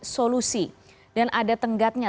solusi dan ada tenggatnya